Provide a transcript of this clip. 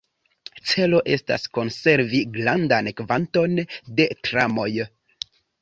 Celo estas, konservi grandan kvanton de tramoj.